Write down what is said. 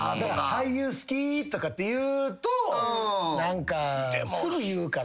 「俳優好き」とかって言うと何かすぐ言うから。